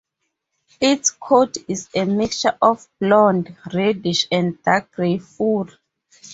Its coat is a mixture of blonde, reddish and dark gray fur.